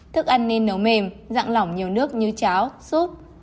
thức ăn nên nấu mềm dặn lỏng nhiều nước như cháo súp